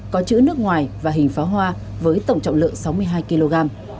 có chữ nước ngoài và hình pháo hoa với tổng trọng lượng sáu mươi hai kg